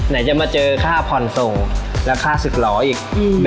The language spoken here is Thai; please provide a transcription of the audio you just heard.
จะมาเจอค่าผ่อนส่งแล้วค่าศึกล้ออีก